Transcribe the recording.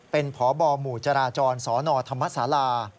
เป็นพบหมู่จราจรสนธรรมศาลา